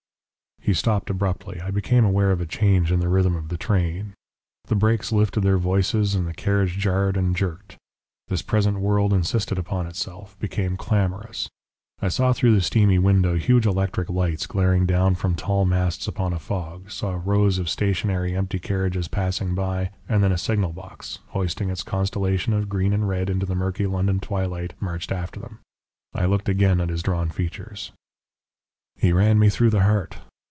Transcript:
He stopped abruptly. I became aware of a change in the rhythm of the train. The brakes lifted their voices and the carriage jarred and jerked. This present world insisted upon itself, became clamorous. I saw through the steamy window huge electric lights glaring down from tall masts upon a fog, saw rows of stationary empty carriages passing by, and then a signal box, hoisting its constellation of green and red into the murky London twilight marched after them. I looked again at his drawn features. "He ran me through the heart.